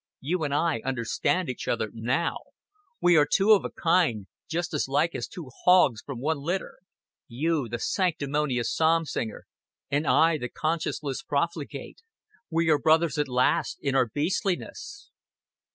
You and I understand each other now. We are two of a kind, just as like as two hogs from one litter you the sanctimonious psalm singer and I the conscienceless profligate we are brothers at last in our beastliness."